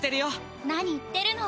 何言ってるの。